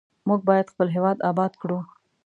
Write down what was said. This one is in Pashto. موږ باید خپل هیواد آباد کړو.